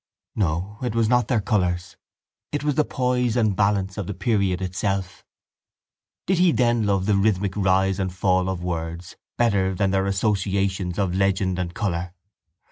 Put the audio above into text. No, it was not their colours: it was the poise and balance of the period itself. Did he then love the rhythmic rise and fall of words better than their associations of legend and colour?